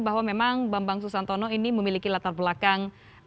bahwa memang bambang susantono ini memiliki latar belakang